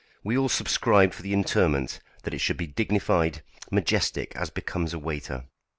We all subscribed for the interment, that it should be dignified majestic as becomes a waiter."